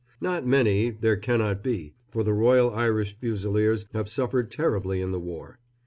Not many, there cannot be, for the Royal Irish Fusiliers have suffered terribly in the war.